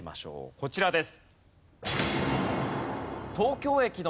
こちらです。